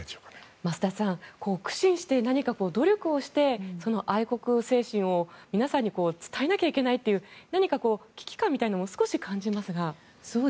増田さん苦心して何か努力をして愛国精神を皆さんに伝えなきゃいけないという危機感みたいなものを感じますが。